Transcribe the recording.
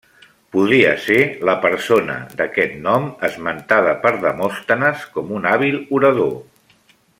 Podria ser la persona d'aquest nom esmentada per Demòstenes com un hàbil orador.